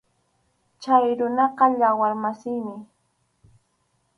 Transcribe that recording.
Chay runaqa yawar masiymi.